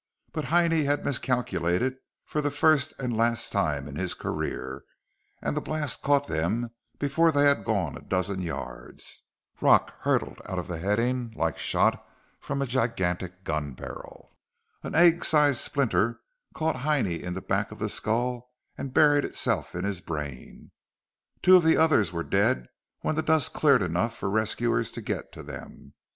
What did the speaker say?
But Heinie had miscalculated for the first and last time in his career, and the blast caught them before they had gone a dozen yards. Rock hurtled out of the heading like shot from a gigantic gun barrel. An egg sized splinter caught Heinie in the back of the skull and buried itself in his brain. Two of the others were dead when the dust cleared enough for rescuers to get to them.